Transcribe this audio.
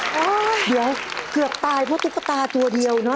เกือบตายเพราะตุ๊กตาตัวเดียวเนอ